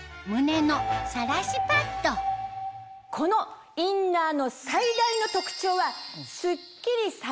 このインナーの最大の特徴は。